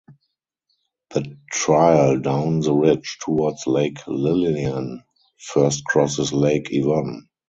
The trail down the ridge towards Lake Lillian first crosses Lake Yvonne.